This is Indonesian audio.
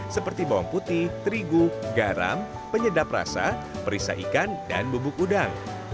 seperti bawang putih terigu garam penyedap rasa perisa ikan dan bubuk udang